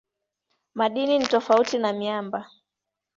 Madini ni tofauti na miamba.